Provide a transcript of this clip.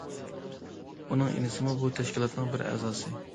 ئۇنىڭ ئىنىسىمۇ بۇ تەشكىلاتنىڭ بىر ئەزاسى.